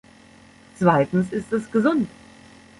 Zweitens ist es gesund.